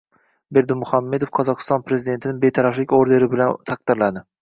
Berdimuhamedov Qozog‘iston prezidentini Betaraflik ordeni bilan taqdirladi